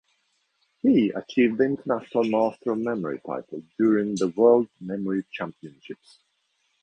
He achieved the International Master of Memory title during the World Memory Championships.